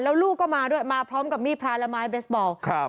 แล้วลูกก็มาด้วยมาพร้อมกับมีดพระและไม้เบสบอลครับ